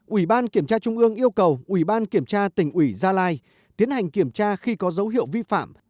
ủy ban kiểm tra trung ương yêu cầu ủy ban kiểm tra tỉnh ủy gia lai tiến hành kiểm tra khi có dấu hiệu vi phạm